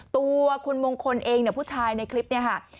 ตัวคุณมงคลเองเนี่ยผู้ชายในคลิปเนี่ยค่ะ